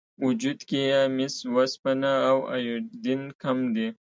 وجود کې یې مس، وسپنه او ایودین کم دي.